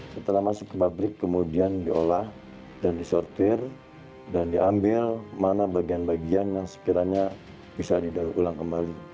setelah masuk ke pabrik kemudian diolah dan disortir dan diambil mana bagian bagian yang sekiranya bisa didaur ulang kembali